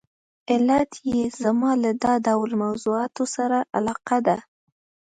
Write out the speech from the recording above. علت یې زما له دا ډول موضوعاتو سره علاقه ده.